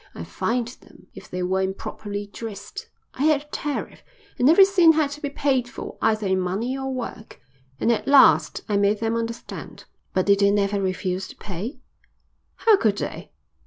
I fined them if they were improperly dressed. I had a tariff, and every sin had to be paid for either in money or work. And at last I made them understand." "But did they never refuse to pay?" "How could they?"